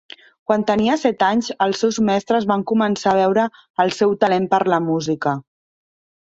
Quan tenia set anys els seus mestres van començar a veure el seu talent per la música.